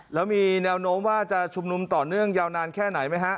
แล้วมีแนวโน้มว่าจะชุมนุมต่อเนื่องยาวนานแค่ไหนไหมฮะ